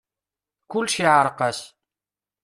Kulec iɛreq-as.